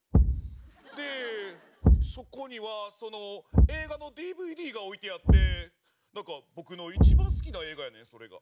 でそこにはその映画のＤＶＤが置いてあってなんか僕の一番好きな映画やねんそれが。